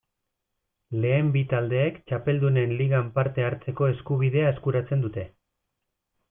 Lehen bi taldeek Txapeldunen Ligan parte hartzeko eskubidea eskuratzen dute.